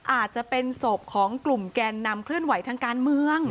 อาจจะเป็นศพของกลุ่มแกนนำเคลื่อนไหวทางการเมือง